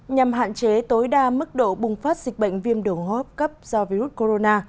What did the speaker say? nhằm hạn chế tối đa mức độ bùng phát dịch bệnh viêm đồn hốp cấp do virus corona